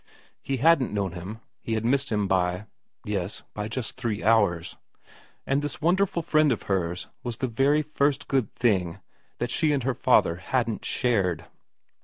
He hadn't known him ; he had missed him by yes, by just three hours ; and this wonderful friend of hers was the very first good thing that she and her father hadn't shared.